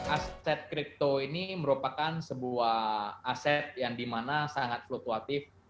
aset kripto ini merupakan sebuah aset yang dimana sangat fluktuatif